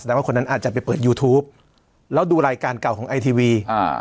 ว่าคนนั้นอาจจะไปเปิดยูทูปแล้วดูรายการเก่าของไอทีวีอ่า